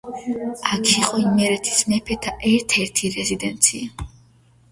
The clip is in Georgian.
აქ იყო იმერეთის მეფეთა ერთ-ერთი რეზიდენცია.